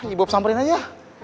iya bobo samperin aja